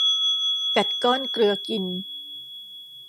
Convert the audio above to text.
กัดก้อนเกลือกิน